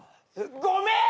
ごめーん！